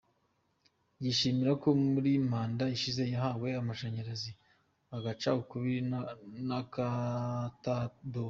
Yishimira ko muri manda ishize yahawe amashanyarazi agaca ukubiri n’akatadowa.